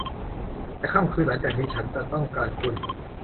แต่ค่ำคืนหลังจากนี้ ฉันจะต้องการคุณ